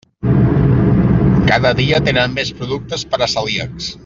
Cada dia tenen més productes per a celíacs.